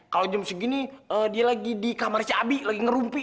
kalo jam segini dia lagi di kamar si abi lagi ngerumpi